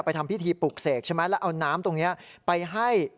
ทำพิธีปลุกเสกใช่ไหมแล้วเอาน้ำตรงนี้ไปให้